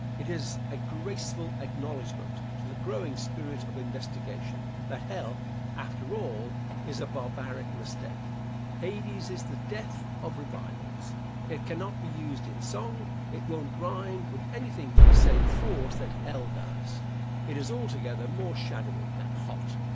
It is a graceful acknowledgment to the growing spirit of investigation, that hell, after all, is a barbaric mistake. Hades is the death of revivals. It cannot be used in song. It won't rhyme with anything with the same force that hell does. It is altogether more shadowy than hot.